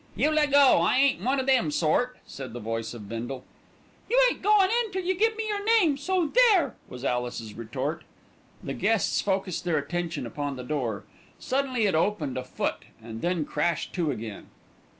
"You leggo, I ain't one of them sort," said the voice of Bindle. "You ain't goin' in till you give me your name, so there!" was Alice's retort. The guests focused their attention upon the door. Suddenly it opened a foot and then crashed to again.